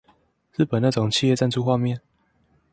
日本那種企業贊助畫面